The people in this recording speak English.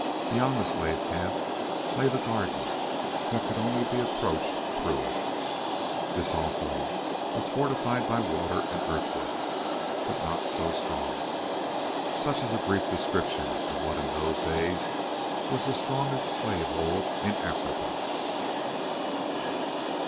Beyond the slave camp, lay the garden that could only be approached through it. This also was fortified by water and earthworks, but not so strongly. Such is a brief description of what was in those days the strongest slave hold in Africa.